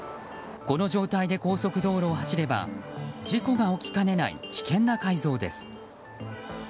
この状態で高速道路を走れば事故が起きかねない危険な改造です。